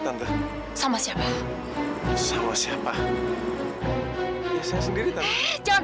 tante anggap kejadian tadi tidak pernah terjadi